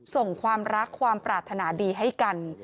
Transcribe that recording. ส่งความรักความปรารถนาดีให้กัน